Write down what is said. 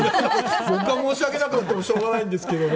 僕が申し訳なくなってもしょうがないんですがね。